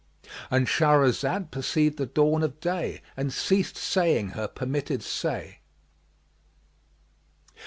"—And Shahrazad perceived the dawn of day and ceased saying her permitted say.